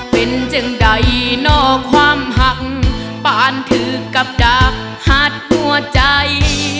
เป็นจึงใดเนาะความหักปานทืกกับดักหาดกับหัวใจ